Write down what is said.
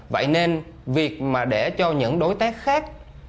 vậy nên việc mà để cho những đối tác khác